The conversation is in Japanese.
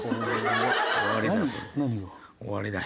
終わりだろ。